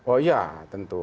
oh iya tentu